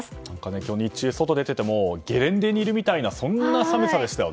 今日日中、外に出ていてもゲレンデにいるみたいなそんな寒さでしたよね。